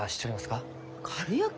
かるやき？